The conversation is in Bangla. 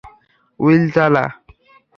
উইল, চালা।